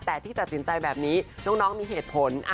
แต่ที่ตัดสินใจแบบนี้น้องมีเหตุผล